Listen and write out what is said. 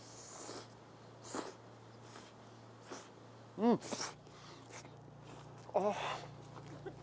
うん！ああ！